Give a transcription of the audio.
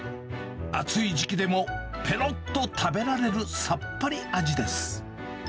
暑い時期でもぺろっと食べられるさっぱり味です。